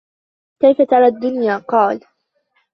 كَيْفَ تَرَى الدُّنْيَا ؟ قَالَ